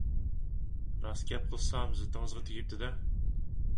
راست گەپ قىلسام زىتىڭىزغا تېگىپتۇ-دە!